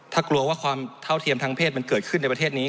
ถ้ากลัวว่าความเท่าเทียมทางเพศมันเกิดขึ้นในประเทศนี้